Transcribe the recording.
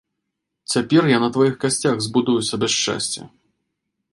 Цяпер я на тваіх касцях збудую сабе шчасце!